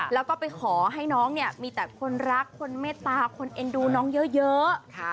แล้วก็ไปขอให้น้องเนี่ยมีแต่คนรักคนเมตตาคนเอ็นดูน้องเยอะ